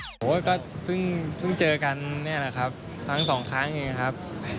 โอ้โหก็เพิ่งเจอกันนี่แหละครับทั้งสองครั้งเองครับ